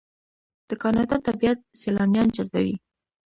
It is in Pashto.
د کاناډا طبیعت سیلانیان جذبوي.